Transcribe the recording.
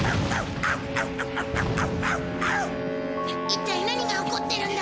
一体何が起こってるんだ？